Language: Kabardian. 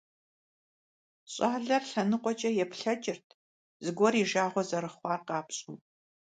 Щӏалэр лъэныкъуэкӏэ еплъэкӏырт, зыгуэр и жагъуэ зэрыхъуар къапщӀэу.